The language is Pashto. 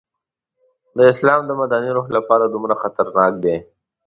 د اسلام د مدني روح لپاره دومره خطرناک دی.